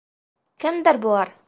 Кемдәр былар?